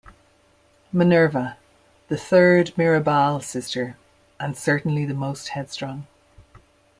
Minerva: The third Mirabal sister, and certainly the most headstrong.